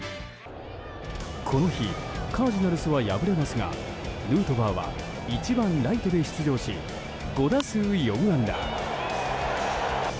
この日カージナルスは敗れますがヌートバーは１番ライトで出場し５打数４安打。